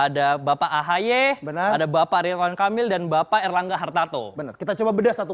ada bapak ahy benar ada bapak ridwan kamil dan bapak erlangga hartarto benar kita coba bedah satu